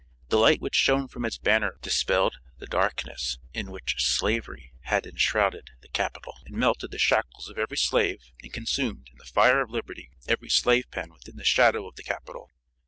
The light which shone from its banner dispelled the darkness in which slavery had enshrouded the capitol, and melted the shackles of every slave, and consumed, in the fire of liberty, every slave pen within the shadow of the capitol.